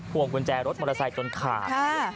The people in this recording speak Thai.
วงกุญแจรถมอเตอร์ไซค์จนขาด